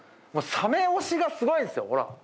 サメ推しがすごいんですよほら。